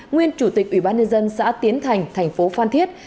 nguyên chủ tịch ủy ban nhân dân xã tiến thành thành phố phan thiết